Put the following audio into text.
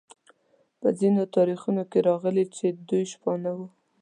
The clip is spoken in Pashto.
په ځینو تاریخونو کې راغلي چې دوی شپانه وو.